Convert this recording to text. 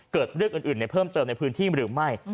เกิดเรื่องอื่นในเพิ่มเติมในพื้นที่หรือไม่